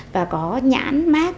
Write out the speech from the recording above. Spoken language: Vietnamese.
và có nhãn mác